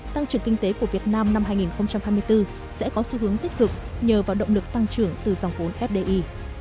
tăng trưởng kinh tế của việt nam năm hai nghìn hai mươi bốn sẽ có xu hướng tích cực nhờ vào động lực tăng trưởng từ dòng vốn fdi